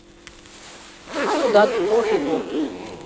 — Тудат — по фигу!